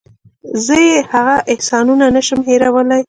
زه یې هغه احسانونه نشم هېرولی.